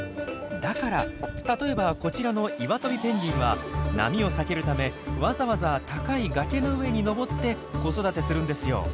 だから例えばこちらのイワトビペンギンは波を避けるためわざわざ高い崖の上に登って子育てするんですよ。